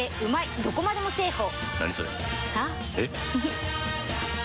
どこまでもだあ！